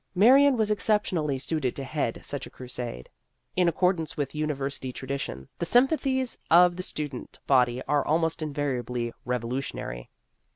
Marion was exceptionally suited to head such a crusade. In accordance with university tradition, the sympathies of the student body are almost invariably revolutionary.